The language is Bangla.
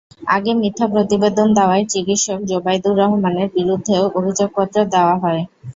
আগে মিথ্যা প্রতিবেদন দেওয়ায় চিকিৎসক জোবায়দুর রহমানের বিরুদ্ধেও অভিযোগপত্র দেওয়া হয়।